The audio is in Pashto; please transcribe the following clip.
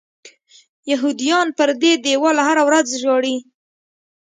یهودیان پر دې دیوال هره ورځ ژاړي.